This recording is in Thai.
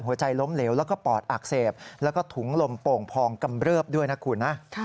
หัวใจล้มเหลวแล้วก็ปอดอักเสบแล้วก็ถุงลมโป่งพองกำเริบด้วยนะคุณนะ